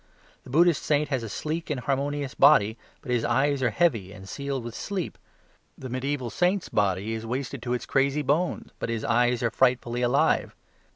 The Buddhist saint has a sleek and harmonious body, but his eyes are heavy and sealed with sleep. The mediaeval saint's body is wasted to its crazy bones, but his eyes are frightfully alive.